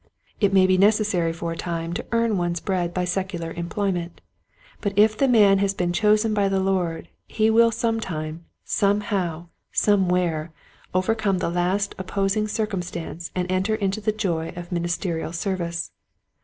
It may be necessary for a time to earn one's bread by secular employment ; but if the man has been chosen by the Lord, he will sometime, somehow, somewhere overcome the last opposing circumstance and enter into the joy of ministerial service.